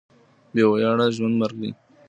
بې وياړه ژوند مرګ دی.